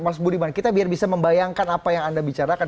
mas budiman kita biar bisa membayangkan apa yang anda bicarakan